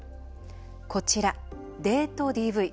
こちら、デートＤＶ。